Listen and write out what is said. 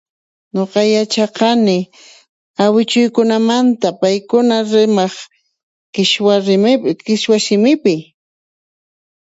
Ñuqa yachaqani awichuykunamanta, paykuna rimaq qhichwa simipi